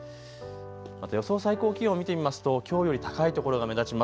また予想最高気温、見てみますときょうより高い所が目立ちます。